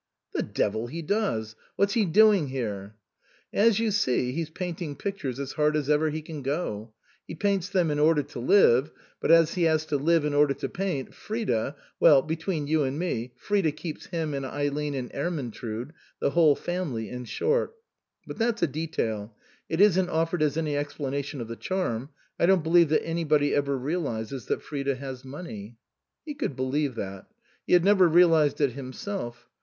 " The devil he does ! What's he doing here ?"" As you see, he's painting pictures as hard as ever he can go. He paints them in order to live ; but as he has to live in order to paint, Frida well, between you and me, Frida keeps him and Eileen and Ermyntrude, the whole family, in short. But that's a detail. It isn't offered as any explanation of the charm. I don't believe that anybody ever realizes that Frida has money." He could believe that. He had never realized it himself.